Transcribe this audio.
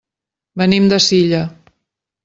Venim de Silla.